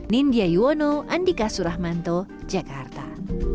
nindya yuwono andika suramanto jakarta